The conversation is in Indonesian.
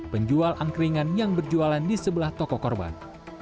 penjual angkringan yang berjualan di sebelah toko korban